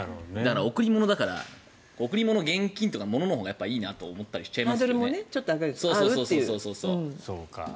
だから、贈り物だから贈り物、現金とか物のほうがいいなって思っちゃいます。